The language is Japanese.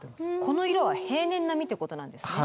この色は平年並みっていうことなんですね。